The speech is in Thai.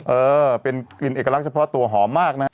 เออเป็นกลิ่นเอกลักษณ์เฉพาะตัวหอมมากนะฮะ